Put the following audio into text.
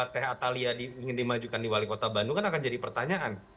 teh atalia ingin dimajukan di wali kota bandung kan akan jadi pertanyaan